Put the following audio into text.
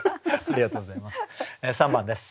ありがとうございます。